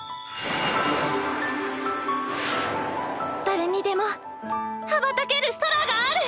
誰にでも羽ばたける空がある！